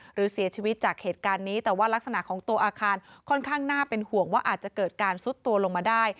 หรือเสียชีวิตจากเหตุการณ์นี้แต่ว่ารักษณะของตัวอาคารค่อนข้างน่าเป็นห่วงว่าอาจจะเกิดการซุดตัวลงมาได้